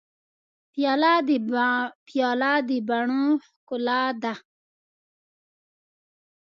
پیاله د بڼو ښکلا ده.